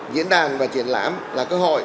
diễn đàn và triển lãm là cơ hội